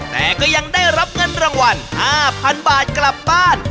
แต่ก็ยังได้รับเงินรางวัล๕๐๐๐บาทกลับบ้าน